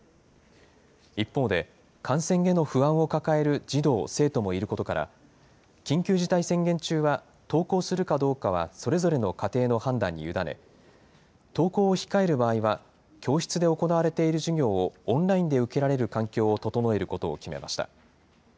一方で、感染への不安を抱える児童・生徒もいることから、緊急事態宣言中は、登校するかどうかはそれぞれの家庭の判断に委ね、登校を控える場合は、教室で行われている授業を、オンラインで受けられる環境を整えることを決めました。